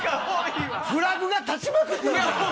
フラグが立ちまくってる。